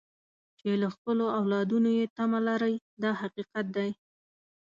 چې له خپلو اولادونو یې تمه لرئ دا حقیقت دی.